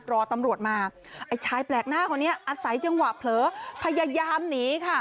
รอตำรวจมาไอ้ชายแปลกหน้าคนนี้อาศัยจังหวะเผลอพยายามหนีค่ะ